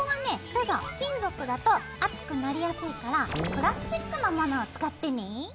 そうそう金属だと熱くなりやすいからプラスチックのモノを使ってね。